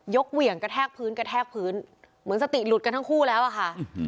เหวี่ยงกระแทกพื้นกระแทกพื้นเหมือนสติหลุดกันทั้งคู่แล้วอะค่ะ